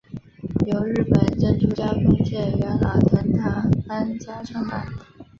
由日本珍珠加工界元老藤堂安家创办。